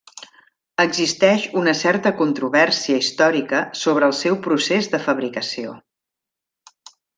Existeix una certa controvèrsia històrica sobre el seu procés de fabricació.